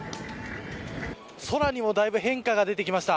空にもだいぶ変化が出てきました。